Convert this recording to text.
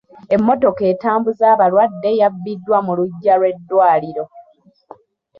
Emmotoka etambuza abalwadde yabbiddwa mu luggya lw'eddwaliro.